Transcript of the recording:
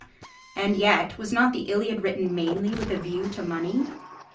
And yet, was not the Iliad written mainly with a view to money?